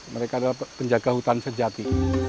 mereka adalah penjaga hutan sejati